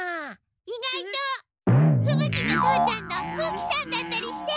意外とふぶ鬼の父ちゃんの風鬼さんだったりして。